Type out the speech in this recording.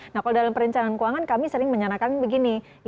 nah kalau dalam perencanaan keuangan kami sering menyarankan begini